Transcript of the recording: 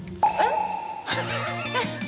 あっ！